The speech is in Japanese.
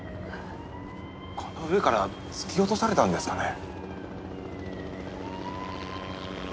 この上から突き落とされたんですかね？